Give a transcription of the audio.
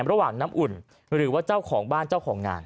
ระหว่างน้ำอุ่นหรือว่าเจ้าของบ้านเจ้าของงาน